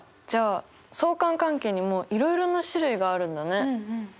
じゃあ相関関係にもいろいろな種類があるんだね。